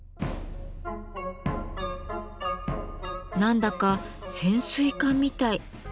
何だか潜水艦みたい。